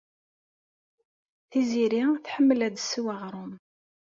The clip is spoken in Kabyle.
Tiziri tḥemmel ad d-tesseww aɣrum.